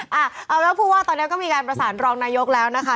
เอาเป็นว่าผู้ว่าตอนนี้ก็มีการประสานรองนายกแล้วนะคะ